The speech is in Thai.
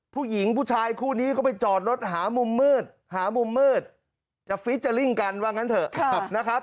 ผู้หญิงผู้ชายคู่นี้ก็ไปจอดรถหามุมมืดหามุมมืดจะฟีเจอร์ลิ่งกันว่างั้นเถอะนะครับ